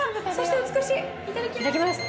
いただきます。